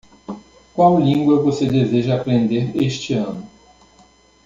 Qual língua você deseja aprender este ano?